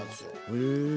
へえ。